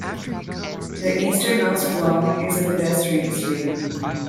The easternmost block is a pedestrian street.